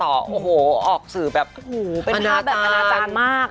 โอ้โหออกสื่อแบบโอ้โหเป็นภาพแบบอนาจารย์มาก